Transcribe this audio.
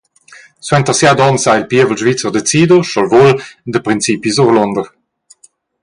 Suenter siat onns sa il pievel svizzer decider –sch’el vul –da principi surlunder.